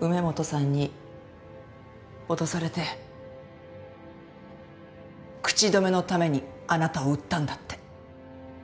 梅本さんに脅されて口止めのためにあなたを売ったんだって。